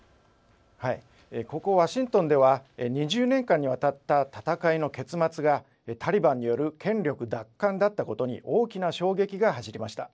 ここ、ワシントンでは２０年間にわたった戦いの結末がタリバンによる権力奪還だったことに大きな衝撃が走りました。